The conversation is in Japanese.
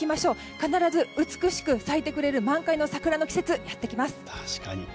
必ず、美しく咲いてくれる満開の桜の季節やってきます。